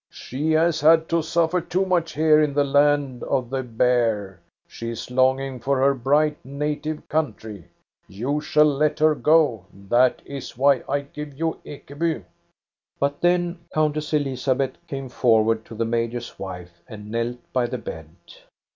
She has had to suffer too much here in the land of the bear. She is longing for her bright native country. You shall let her go. That is why I give you Ekeby." But then Countess Elizabeth came forward to the major's wife and knelt by the bed.